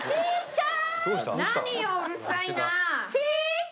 何ようるさいな！